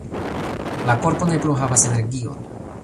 La korpo ne plu havas energion